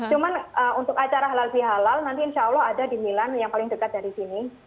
cuma untuk acara halal bihalal nanti insya allah ada di milan yang paling dekat dari sini